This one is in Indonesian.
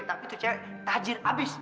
tapi tuh cewek tajir abis